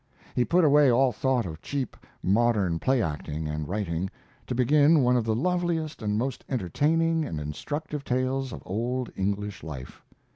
He put away all thought of cheap, modern play acting and writing, to begin one of the loveliest and most entertaining and instructive tales of old English life.